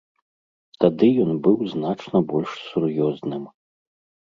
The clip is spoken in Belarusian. Тады ён быў значна больш сур'ёзным.